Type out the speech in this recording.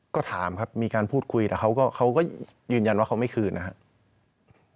ก็ถามครับมีการพูดคุยแต่เขาก็ยืนยันว่าเขาไม่คืนนะครับ